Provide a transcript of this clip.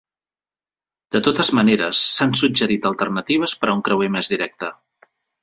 De totes maneres, s'han suggerit alternatives per a un creuer més directe.